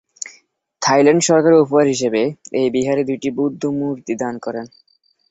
Thailand সরকার উপহার হিসেবে এই বিহারে দুইটি বুদ্ধ মূর্তি দান করেন।